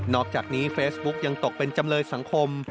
อกจากนี้เฟซบุ๊กยังตกเป็นจำเลยสังคม